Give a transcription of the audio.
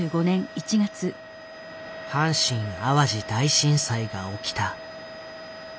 阪神淡路大震災が起きた。